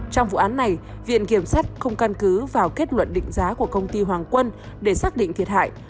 trong vụ án này viện kiểm sát không căn cứ vào kết luận định giá của công ty hoàng quân để xác định thiệt hại